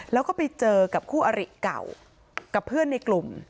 แล้วก็ไปเจอกับคู่อริเก่ากับเพื่อนในกลุ่ม